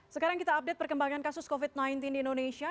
sekarang kita update perkembangan kasus covid sembilan belas di indonesia